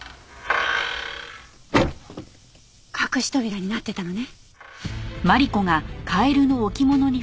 隠し扉になってたのね。